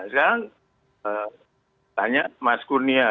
sekarang tanya mas kurnia